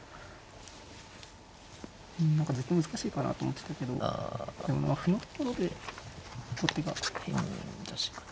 何かずっと難しいかなと思ってたけどでもまあ歩のところで後手が。